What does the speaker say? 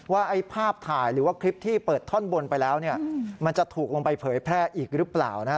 ไอ้ภาพถ่ายหรือว่าคลิปที่เปิดท่อนบนไปแล้วเนี่ยมันจะถูกลงไปเผยแพร่อีกหรือเปล่านะฮะ